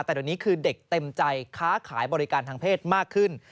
แต่เดี๋ยวนี้คือเด็กเต็มใจค้าขายบริการทางเพศมากขึ้น